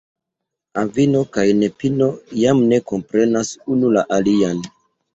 Avino kaj nepino jam ne komprenas unu la alian.